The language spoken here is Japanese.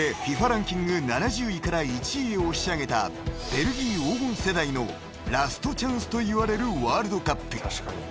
ランキング７０位から１位へ押し上げたベルギー黄金世代のラストチャンスといわれるワールドカップ］